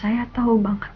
saya tau banget